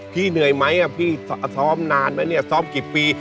เหนื่อยไหมพี่ซ้อมนานไหมเนี่ยซ้อมกี่ปี